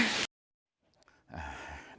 พี่ขอต้อง